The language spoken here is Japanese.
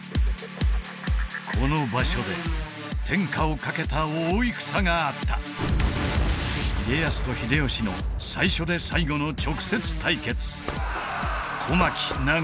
この場所で天下をかけた大戦があった家康と秀吉の最初で最後の直接対決